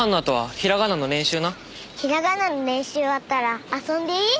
ひらがなの練習終わったら遊んでいい？